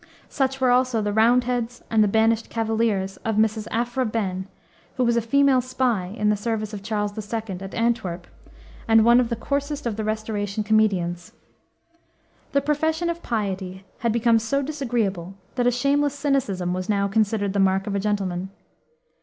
Such were also the Roundheads and the Banished Cavaliers of Mrs. Aphra Behn, who was a female spy in the service of Charles II., at Antwerp, and one of the coarsest of the Restoration comedians. The profession of piety had become so disagreeable that a shameless cynicism was now considered the mark of a gentleman.